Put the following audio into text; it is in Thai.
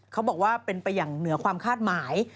เขาบอกว่าเป็นไปอย่างเหนือความคาดหมาย